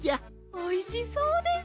おいしそうです！